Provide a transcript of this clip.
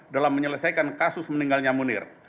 dalam menyelesaikan kasus meninggalnya munir